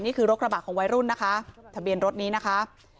รถกระบะของวัยรุ่นนะคะทะเบียนรถนี้นะคะ